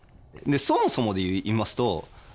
そもそもで言いますと僕